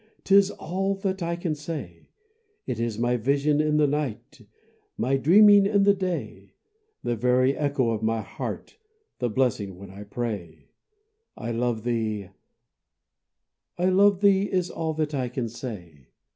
'Tis all that I can say; It is my vision in the night, My dreaming in the day; The very echo of my heart, The blessing when I pray: I love thee I love thee! Is all that I can say.